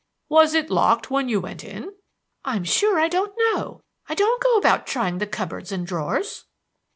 "Was it locked when you went in?" "I'm sure I don't know. I don't go about trying the cupboards and drawers."